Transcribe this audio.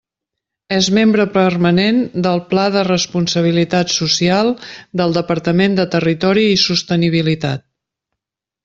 És membre permanent del Pla de responsabilitat social del Departament de Territori i Sostenibilitat.